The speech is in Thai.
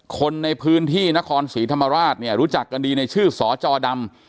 คนในพื้นที่นครศรีธรรมราชเนี่ยรู้จักกันดีในชื่อสจดำ